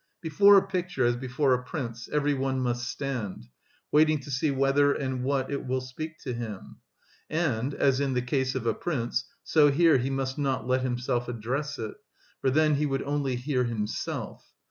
Before a picture, as before a prince, every one must stand, waiting to see whether and what it will speak to him; and, as in the case of a prince, so here he must not himself address it, for then he would only hear himself.